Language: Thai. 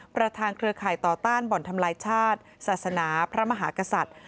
เครือข่ายต่อต้านบ่อนทำลายชาติศาสนาพระมหากษัตริย์